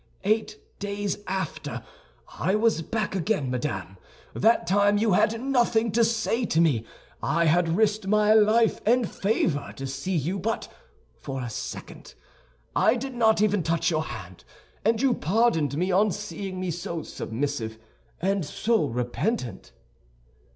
Eight days after, I was back again, madame. That time you had nothing to say to me; I had risked my life and favor to see you but for a second. I did not even touch your hand, and you pardoned me on seeing me so submissive and so repentant."